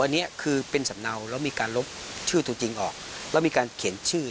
นี่คือลายมือที่เขาเขียน